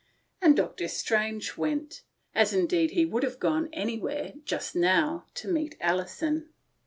And Dr. Strange went ; as indeed he would have gone anywhere, just now, to meet Alison.